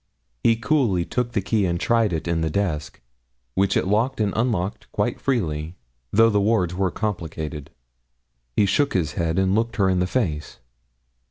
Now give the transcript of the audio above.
He coolly took the key and tried it in the desk, which it locked and unlocked quite freely, though the wards were complicated. He shook his head and looked her in the face.